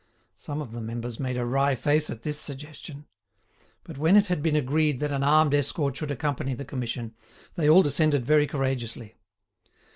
Some of the members made a wry face at this suggestion; but when it had been agreed that an armed escort should accompany the Commission, they all descended very courageously.